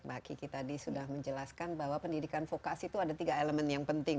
mbak kiki tadi sudah menjelaskan bahwa pendidikan vokasi itu ada tiga elemen yang penting